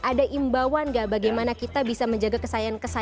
ada imbauan nggak bagaimana kita bisa menjaga kesayangan kesayangan